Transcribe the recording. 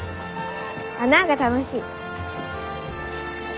あなんか楽しい。